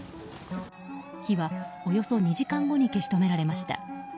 火は、およそ２時間後に消し止められました。